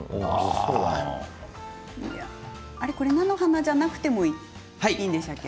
菜の花じゃなくてもいいんでしたっけ？